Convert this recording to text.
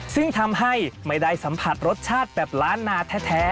ซึ่งทำให้ไม่ได้สัมผัสรสชาติแบบล้านนาแท้